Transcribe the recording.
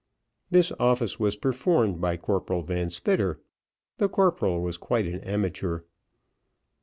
This office was performed by Corporal Van Spitter. The corporal was quite an amateur.